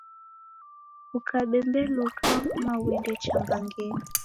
Ukabembeluka wafuma uende cha mbangenyi!